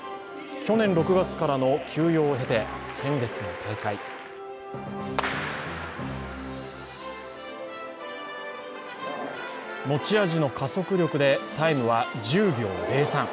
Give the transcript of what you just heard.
去年６月からの休養を経て先月の大会持ち味の加速力でタイムは１０秒０３。